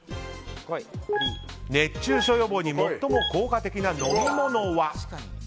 熱中症予防に最も効果的な飲み物は。